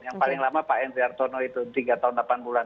yang paling lama pak enri artono itu tiga tahun delapan bulan